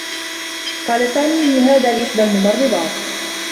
قال سامي هذا لإحدى الممرّضات.